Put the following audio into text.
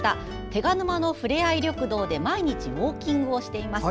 手賀沼のふれあい緑道で毎日ウォーキングをしています。